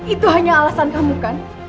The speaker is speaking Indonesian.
itu hanya alasan kamu kan